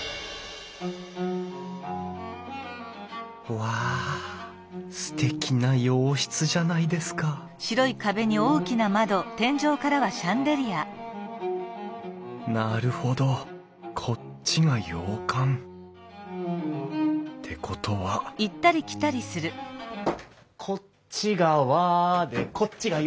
わあすてきな洋室じゃないですかなるほどこっちが洋館。ってことはこっちが和でこっちが洋。